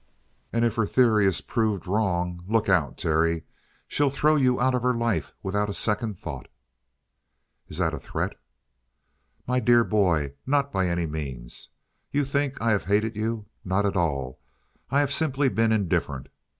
"And if her theory is proved wrong look out, Terry! She'll throw you out of her life without a second thought." "Is that a threat?" "My dear boy, not by any means. You think I have hated you? Not at all. I have simply been indifferent.